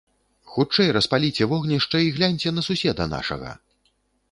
Хутчэй распаліце вогнішча і гляньце на суседа нашага!